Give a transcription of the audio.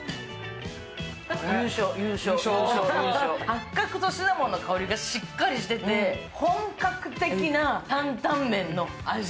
八角とシナモンの香りがしっかりとしていて本格的な坦々麺の味。